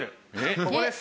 ここです。